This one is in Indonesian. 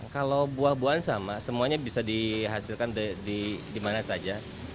kalau buah buahan sama semuanya bisa dihasilkan di mana saja